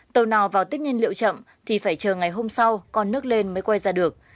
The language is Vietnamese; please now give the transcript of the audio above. tàu nào vào tích nhiên liệu chậm thì phải chờ ngày hôm sau con nước lên mới quay ra được